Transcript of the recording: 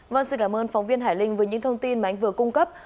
vâng xin cảm ơn phóng viên hải linh với những thông tin mà anh vừa cung cấp